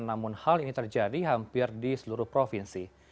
namun hal ini terjadi hampir di seluruh provinsi